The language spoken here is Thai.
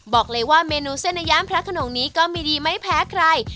บอกเลยว่าเมนูเส้นในย่านพระขนงนี้ก็มีดีไม่แพ้ใคร